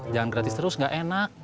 jangan gratis terus nggak enak